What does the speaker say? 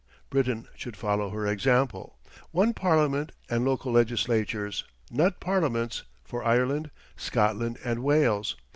Britain should follow her example, one Parliament and local legislatures (not parliaments) for Ireland, Scotland, and Wales.